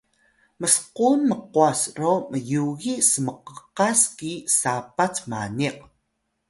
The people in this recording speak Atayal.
msqun mqwas ro myugi smqqas ki sapat maniq